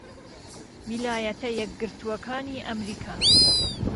ویلایەتە یەکگرتووەکانی ئەمریکا